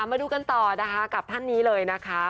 มาดูกันต่อนะคะกับท่านนี้เลยนะคะ